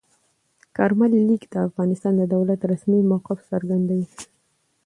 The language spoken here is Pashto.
کارمل لیک د افغانستان د دولت رسمي موقف څرګندوي.